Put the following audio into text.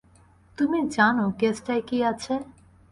তুমি জানো কেসটায় কী আছে।